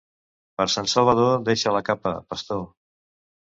Per Sant Salvador, deixa la capa, pastor.